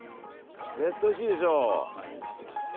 絶対おいしいでしょう。